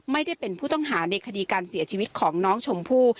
ไม่ได้เป็นผู้ต้องหาในคดีการเสียชีวิตของน้องชมพู่